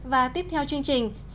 và tiếp theo chương trình